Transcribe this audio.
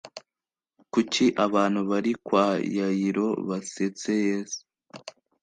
kuki abantu bari kwa yayiro basetse yesu